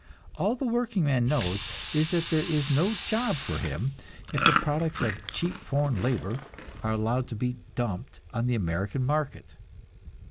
All the workingman knows is that there is no job for him if the products of "cheap foreign labor" are allowed to be "dumped" on the American market.